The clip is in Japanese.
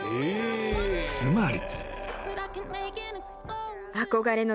［つまり］